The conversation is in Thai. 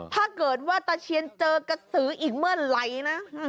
ถ้าเกิดว่าตะเชียนเจอกระสืออีกเมื่อไหร่นะ